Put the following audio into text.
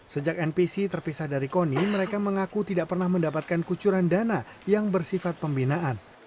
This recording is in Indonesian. sejak npc terpisah dari koni mereka mengaku tidak pernah mendapatkan kucuran dana yang bersifat pembinaan